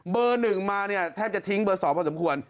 เบอร์หนึ่งมาเนี่ยแทบจะทิ้งเบอร์สองพอสมควร